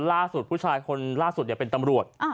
ผู้ชายคนล่าสุดเป็นตำรวจ